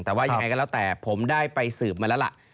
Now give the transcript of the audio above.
แต่ว่ายังไงก็แล้วแต่ผมได้ไปสืบมาแล้วล่ะ